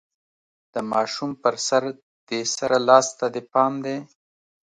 د ماشوم په سر، دې سره لاس ته دې پام دی؟